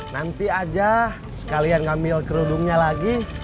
nanti aja sekalian ngambil kerudungnya lagi